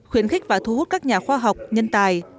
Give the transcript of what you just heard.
khuyến khích và thu hút các nhà khoa học nhân tài